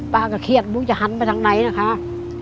ป้าก็เครียดมึงจะหันไปทางไหนนะคะ